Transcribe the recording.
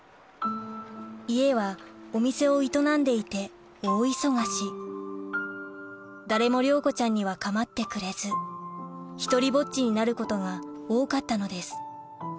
家はお店を営んでいて大忙し誰も亮子ちゃんには構ってくれず独りぼっちになることが多かったのです